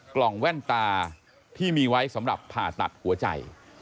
กล่องแว่นตาที่มีไว้สำหรับผ่าตัดหัวใจ